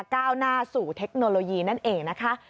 ก้าวหน้าสู่เทคโนโลยีนั่นเองนะคะ